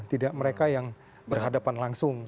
tidak mereka yang berhadapan langsung